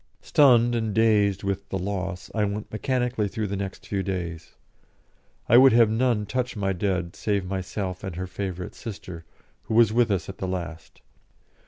Stunned and dazed with the loss, I went mechanically through the next few days. I would have none touch my dead save myself and her favourite sister, who was with us at the last.